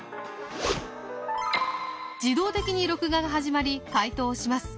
自動的に録画が始まり解答をします。